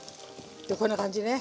こんな感じね。